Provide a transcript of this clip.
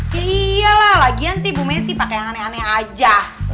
iya lah lagian sih bu messi pakai yang aneh aneh aja